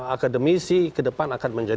akademisi ke depan akan